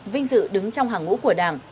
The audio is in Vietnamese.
vinh dự đứng trong hàng ngũ của đảng